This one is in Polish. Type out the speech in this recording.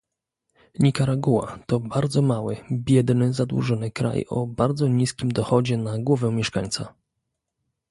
Nikaragua to bardzo mały, biedny, zadłużony kraj o bardzo niskim dochodzie na głowę mieszkańca